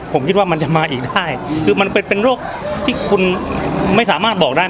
ผมคิดว่ามันจะมาอีกได้คือมันเป็นโรคที่คุณไม่สามารถบอกได้